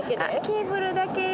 ケーブルだけで。